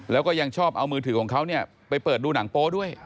แล้วก็ยังชอบเอามือถือของเขาเนี่ยไปเปิดดูหนังโป๊ด้วย